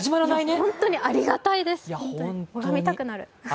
本当にありがたいです、拝みたくなる。